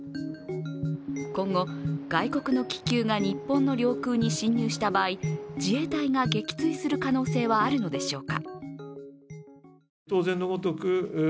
今後、外国の気球が日本の領空に侵入した場合、自衛隊が撃墜する可能性はあるのでしょうか。